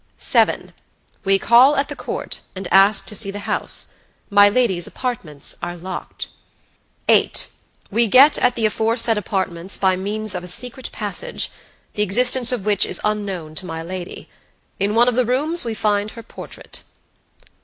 "7. We call at the Court, and ask to see the house. My lady's apartments are locked." "8. We get at the aforesaid apartments by means of a secret passage, the existence of which is unknown to my lady. In one of the rooms we find her portrait."